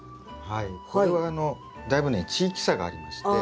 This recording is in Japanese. これはだいぶね地域差がありまして。